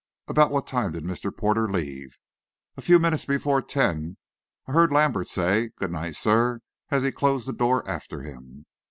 "About what time did Mr. Porter leave?" "A few minutes before ten. I heard Lambert say, `Good night, sir,' as he closed the door after him."